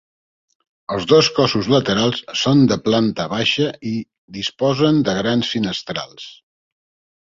Els dos cossos laterals són de planta baixa i disposen de grans finestrals.